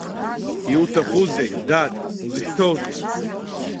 Иуҭахузеи, дад, узышьҭоузеи?